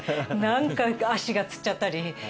何回か足がつっちゃったり。